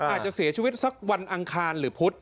อาจจะเสียชีวิตสักวันอังคารหรือพุธ